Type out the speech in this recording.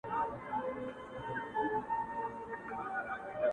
• كه كېدل په پاچهي كي يې ظلمونه,